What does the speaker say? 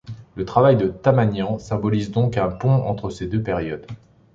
Le travail de Tamanian symbolise donc un pont entre ces deux périodes.